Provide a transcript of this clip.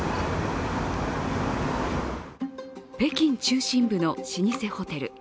北京中心部の老舗ホテル。